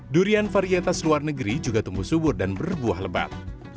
durian varietas luar negeri juga tumbuh subur dan berbuah lebat